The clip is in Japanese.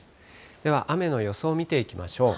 では、雨の予想を見ていきましょう。